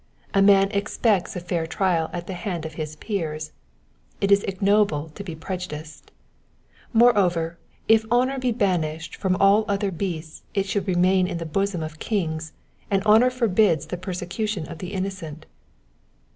A man expects a fair trial at the hand of his peers : it is ignoble to be prejudiced. Moreover, if honour be banished from aU other breasts it should reniain in the bosom of kings, and honour forbids the persecution of the innocent.